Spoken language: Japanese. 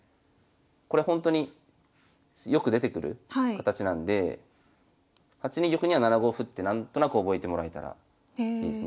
これほんとによく出てくる形なんでって何となく覚えてもらえたらいいですね。